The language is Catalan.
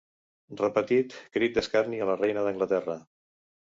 Repetit, crit d'escarni a la reina d'Anglaterra.